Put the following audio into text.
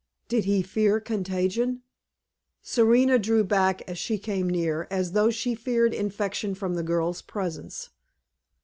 Did he fear contagion? Serena drew back as she came near, as though she feared infection from the girl's presence.